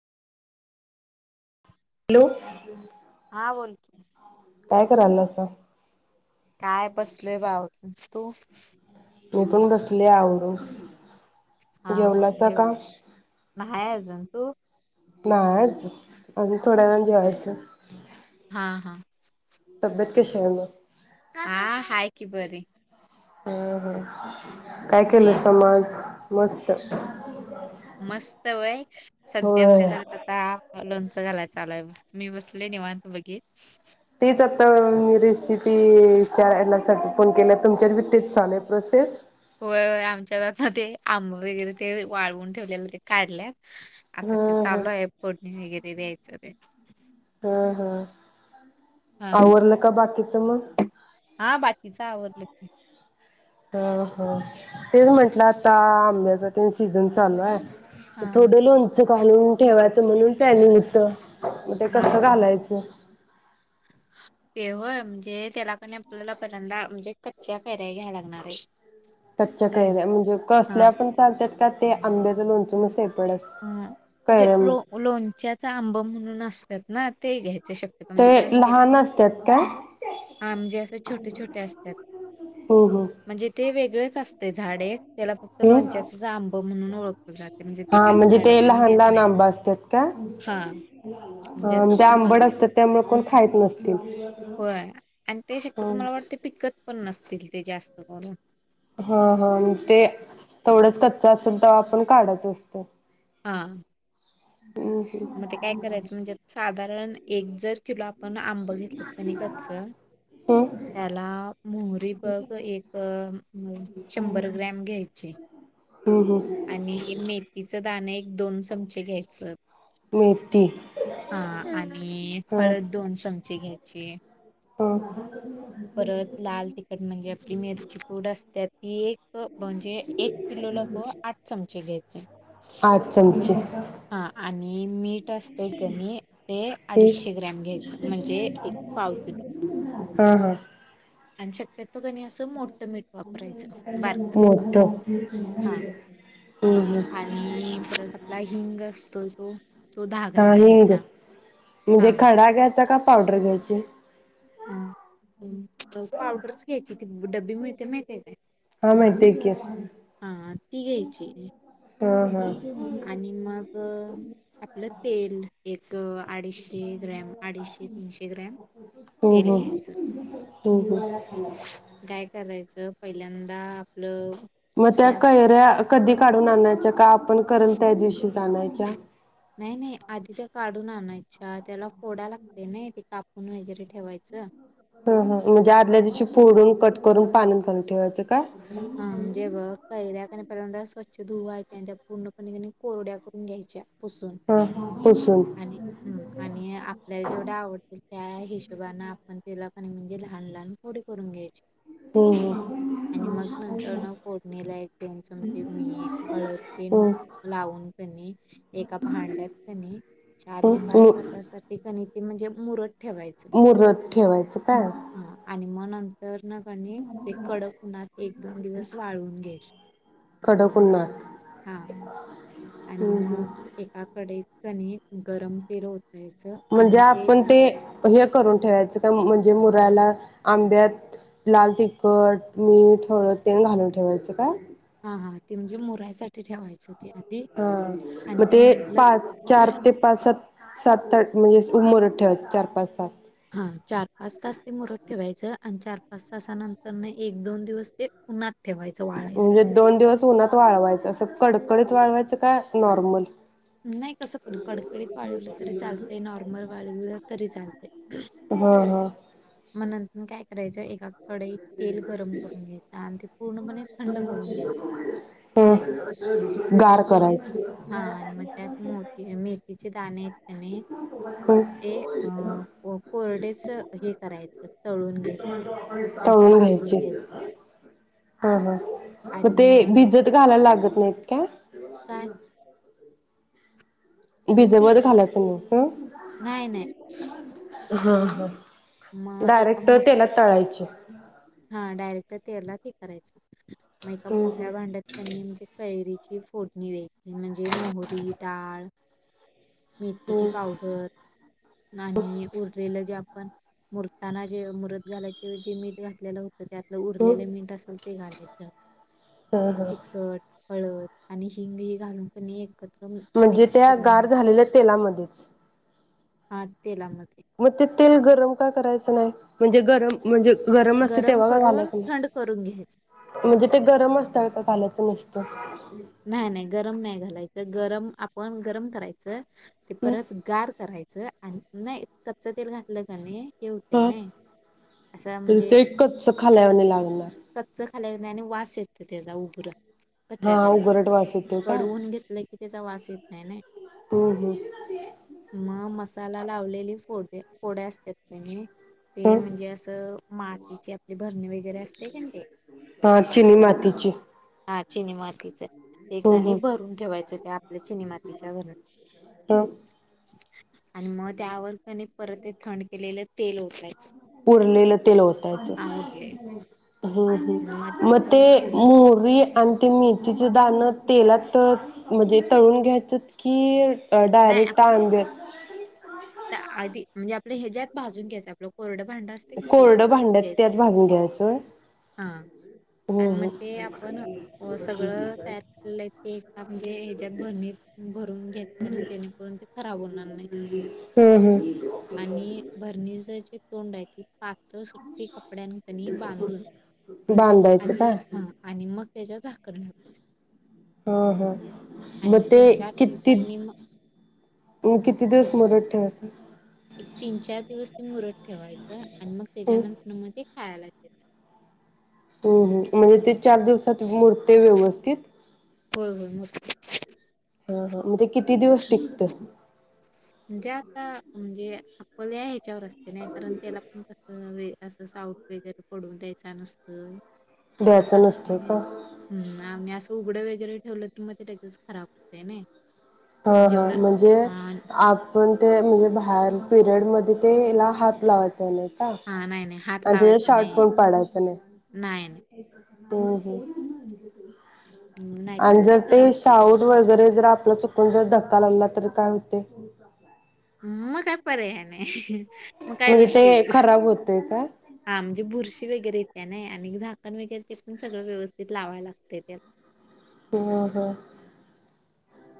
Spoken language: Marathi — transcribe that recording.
हॅलो हा बोल की काय करायलासा काय बसलोय ब आवरू तु तू पण बसले आवरून हा हा जेवलासा जेव का न्हाय अजून तू नाय अजुन अजुन थोड्या वेळानं जेवायचं हा हा तब्येत कशी हाय म हा हाय की बरी हं हं काय तुझी केलसा म आज मस्त मस्त व्हय सध्या आमच्या होय घरात आता लोण च घालायच चालूय बघ मी बसले निवांत बघित [unintelligible] तर रेसिपी विचाराण्यासाठी फोन केला तुमच्यावर बी तेच चालू आहे प्रोसेस होय होय आमच्या आता ते आंब वगैरे ते वाळवून ठेवलेलं काढल्यात आता ते हं हं चालू आहे फोडणी वगैरे द्यायचं ते हं हं हा आवरलं का बाकीचं मग हा बाकीच आवर [inaudible] अ हो तेच म्हंटलं आता आंब्याचा तेनं सीझन चालू आहे. हा थोड लोण घालून ठेवायचं म्हणून प्लॅनिंग होत. म ते हा कसं घालायच ते होय म्हणजे त्याला कणी आपल्याला पहिल्यांदा म्हणजे कच्च्या कैऱ्या घ्यायला लागणारये. कच्च्या कैऱ्या म्हणजे कसल्या पण चालत्यात का ते आंब्याचं लोणचं नुस अ म्हणजे लो लोणच्याचा आंब म्हणून अस त्यात ना ते घ्याय शकतो ते म्हणजे कारण त्याला लहान असतात काय आ म्हणजे अस छोटे छोटे असतात हम्म हम्म म्हणजे ते वेगळच अस ते झाड एक त्याला फक्त हम्म लोणच्याचच आंब म्हणून ओळखले जाते म्हणजे ते हा काय म्हणजे ते कोण लहान घेत लहान नाही आंबा असतात का हा म्हणजे हा अन आता ते आंबट समज असतात त्यामुळे कोण खाईत नसतील. होय आणि ते शक्यतो मला वाटते पिकत पण नसतील ते जास्त करून हा हा ते तेवडंच कच्च असेल तवा आपण काढत असतो. हा हम्म मग ते काय करायचं म्हणजे साधारण. एक जर किलो आ पण आंब घेतल कनी कच्च हम्म त्याला मोहरी बघ एक शंभर ग्रॅम घ्यायची. हम्म हम्म आणि मेथीचं दाण एक दोन चमचे घ्यायच. मेथी हा. आणि हा हळद दोन चमचे घ्याय [inaudible] हं. परत लाल तिखट म्हणजे आपली मिरची पूड अस त्या ती एक म्हणजे एक किलोला ब आठ चमचे घ्यायची. [inaudible] आठ चमचे. हा आणि मीठ असतय कणी ते एक अडीचशे ग्रॅम घ्यायचं म्हणजे एक पाव किलो. हहा आणि शक्य - - तो कणी असं मोठं मीठ वापरायचं बारक नाय मोठं वापरायच हा हम्म हम्म आणि परत आपला हिंग असतो तो तो दहा हा ग्रॅम हिंग घ्यायचा म्हणजे हा खडा घ्यायचा का पावडर घ्यायची. ह पावडरचं घ्यायची त डब्बी मिळते माहिती हाय हा माहितीय की हा कायं ती घ्यायची. हा आणि मग आपलं तेल एक अडीचशे ग्रॅम अडीचशे - तीनशे ग्रॅम तेल घ्यायचं. हं हम्. काय करायचं पहिल्यांदा आपलं म हे त्या असते कैऱ्या कधी काढून आणायच्या का आपण करेल त्या दिवशीच आणायच्या. नाही नाही आधी तर काढून आणायच. अच्छा त्याला फोडा लागतय नइ ते कापून वगैरे ठेवायचं. हंहं म्हणजे आदल्या दिवशी फोडून कट करून पाण्यात घालून ठेवायचं काय? हम्म म्हणजे कैऱ्या कनी पाहिल्यांदा स्वच्छ धुवायच्या त्या पूर्णपणे कनी कोरड्या करून घ्यायच्या. पुसून हा पुसून आणि हं आणि आपल्याला जेवढ्या आवड त्यात त्या हिशोबान आपण तेला आणि म्हणजे लहान लहानपोडी करून घ्यायच्या. हंह न फोडणीला एक दोन चमचे मीठ हळदतेन हम्म लावून कनी एका भांड्यात कनी चार हम्म ते पाच हम्म तासासाठी न्हई ते म्हणजे मूरत मुरत ठेवायचं काय? नंतर न कणी ते कडक उणात एक दोन दिवस वाळून घ्यायचं. कडक उन्हात हां. आणि हम्म हम्म. म एका कडईट कणी गरम तेल ओत म्हणजे आपण ते हे करून ठेवायचं काय म्हणजे म याला आंब्यात लाल तिखट, मीठ, हळद तेन घालून ठेवायचं काय? हा हा ते म्हणजे मुरायसाठी ठेवायचं ते आ हा म ते पाच चार ते पाच सात सात आठ [unintelligible] मुरत ठेवायच चार पाच सात हा चार पाच तास ते मुरत ठेवायचं आणि चार पाच तासानंतर न एक दोन दिवस ते उन्हात ठेवायचं म्हणजे वाळायसाठी. दोन दिवस उन्हात वाळवायचं असं कडकडीत वाळवायचं काय नॉर्मल? नाई कस पण कडकडीत वाळवलं तरी चालतय, नॉर्मल वाळवलं तरी चालतय, उह हा हा म्ह नंत काय करायचं एका कढईत तेल गरम करून घ्यायचं आणि ते पूर्णपणे थंड करून घ्यायचं त तेल. मग त्यात गार मी करायचं. हां आणि मग त्यात मोती मेथीचे दाणे आहेत कणी हम्म ते अ व कोरडेस हे करायचं तळून घ्यायचं. नाहीतर तळून भाजून घ्यायची, घ्यायचं. हा हा मग आणि ते नंतर भिजत घाला लागत नाहीत काय? काय? मेथी भिजवत घालायच नई नाही काय? नाही ह ह मग एका डायरेक्ट मोठ तेलात तळायचे. [unintelligible] त्येला ते करायच. म एका हम्म मोठ्या भांड्यात त्यांनी म्हणजे कैरीची फोडणी द्यायची म्हणजे मोहरी, डाळ मेथीची हम्म हम्म पावडर आणि उरलेल जे आप पण मूरताना जे मूरत घालायचे जे मीठ घा घातलेलं होत त्यात उरलेलं मीठ असेल ते घालायच. [unintelligible] हं हं हळत आणि हिंग ही घालूनपण ऐकत. म्हणजे त्या गार झालेल्या तेलामध्येच हा तेलामध्ये हो तेच तेल गरम का करायच नाय म्हणजे गरम म्हणजे गरम असते तेव्हा का घालायच करून नाय थंड करून घ्यायचं म्हणजे ते गरम असताना का घालायच नाय [unintelligible] नाही नाय गरम नाय घालायच. त गरम आपण गरम करायच. ते हम्म परत गार कराय च आणि नाय कच्च तेल घातल का नाई. ह त म्हणजे ते एकच खाल्यावानी लागणार हालत नाही आणि वास येतोय त्याचा उग्र कच्या हा तेलात उगरट वास येतोय का? कडवून घेतलय की त्याचा वास येत नाही नाही हम्म हम्म नाही म मसा मसाला लावलेली फोडी फोड्या असत्यात का नाई ते हम्म. म्हणजे अस मातीची आपली भरणी वगैरे असतय कनी ते हा चिनी मातीची माठ चिनी मातीच ते हम्म कणी हम्म भरून ठेवायच त्या आपल्या चिनी मातीच्या भरणीत हम्म आणि मग त्यावर कनी परत ते थंड केलेल तेल ओत उरलेल तेल ओतायच. आवरलेलं हं हं मग म ते सर्व पो मोहरी आणि ते मेथीच दाण तेलात म्हजे तळून घ्यायचत की अ डायरेक्ट अंब्यात त आधी म्हणजे आपलं हेज्यात भाजून घ्यायचं आपलं कोरड भांड असतय कनी त्याच्यात कोरडं भाजून भांड्यात घ्यायच. त्यात भाजून घ्यायचं हा हो आणि हो मग ते आपण सगळं तयार केलेलं हाय ते एका म्हणजे हेज्यात भरणीत भरून घेताना जेणेकरून ते खराब होणार नाही. हम्म हम्म आणि भरणीज जे तोंड आहे ते पातळ सुती कपड्यांन कणी बांधून बांधायचं का आधी ह आणि मग त्याच्यावर झाकण [unintelligible] हा हा म आणि ते तीन चार किती दिवसांनी मग किती दिवस मुरत ठेवायचं एक तीन चार दिवस ते मुरत ठेवायचं आणि मग हम्म त्याच्यानंतर मग ते खायाला घ्यायचं.. हम्म हम्म म्हणजे ते चार दिवसात मूरतय व्यवस्थित होय होय मस्त. हा हा मग ते किती दिवस टिकत म्हणजे आता म्हणजे आपले आहेत त्याच्यावर असते नाही कारण त्याला पण कस तसं साऊट वगैरे पडून द्यायचा नसतंय असं द्यायचं असते नसतंय नाही का हम् आणि असं उघड व [inaudible] ठेवलं तर मग ते लगेच खराब होतय नाही हा हा एवढं म्हणजे हां, आप पण ते म्हणजे बाहेर पिरियडमध्ये तेला हात लावायचे नाही हां. नाही, नाही. हात आणि त्याचा लावायचा साउट नाही. पण पडायचं नाही नाही, नाही. हो हो नाहीतर आणि मग जर ते खराब होतंय लगेच. शाऊड वगैरे जर आपल चूक धक्का लावला तर काय होते? म काय पर्याय [unintelligible] मग काय म्हणजे विषय ते खराब होते काय? हा म्हणजे बुरशी वगैरे त्या नाही आणि झाकण वगैरे ते पण सगळं व्यवस्थित लावाय लागते त्यात हां हां